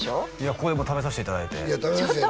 ここでもう食べさせていただいてちょっと！